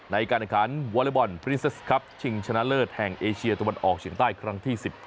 ในการแข่งขันวอเล็กบอลพริสครับชิงชนะเลิศแห่งเอเชียตะวันออกเฉียงใต้ครั้งที่๑๙